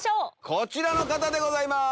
こちらの方でございます。